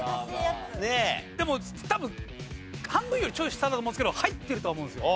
でも多分半分よりちょい下だと思うんですけど入ってるとは思うんですよ。